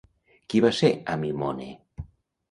Qui va ser Amimone?